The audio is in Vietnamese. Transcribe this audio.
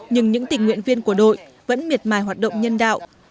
nhưng những tình nguyện viên của đội vẫn miệt mài hoạt động nhân đạo